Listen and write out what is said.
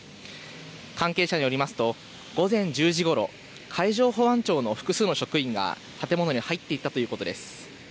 関係者によりますと午前１０時ごろ海上保安庁の複数の職員が建物に入っていったということです。